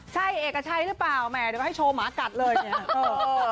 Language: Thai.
ใช่เอกชัยหรือเปล่าแหมเดี๋ยวก็ให้โชว์หมากัดเลยเนี่ย